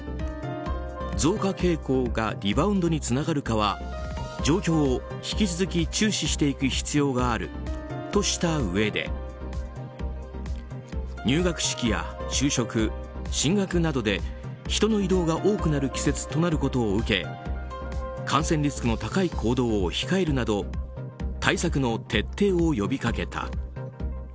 増加傾向がリバウンドにつながるかは状況を引き続き注視していく必要があるとしたうえで入学式や就職・進学などで人の移動が多くなる季節となることを受け感染リスクの高い行動を控えるなど対策の徹底を呼びかけた。